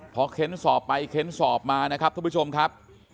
เพราะเข็นสอบไปเข็นสอบมานะครับท่านผู้ชมครับ